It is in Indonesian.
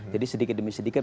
jadi sedikit demi sedikit